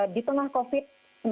di tengah covid sembilan belas